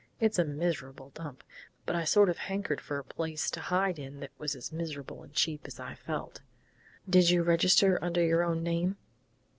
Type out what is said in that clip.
It's a miserable dump, but I sort of hankered for a place to hide in that was as miserable and cheap as I felt " "Did you register under your own name?"